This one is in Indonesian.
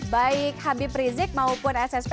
baik habib rizik maupun ssp